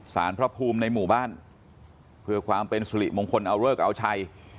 สารพระภูมิในหมู่บ้านเพื่อความเป็นสุริมงคลเอาเลิกเอาชัย